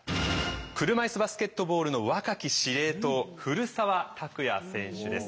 車いすバスケットボールの若き司令塔古澤拓也選手です。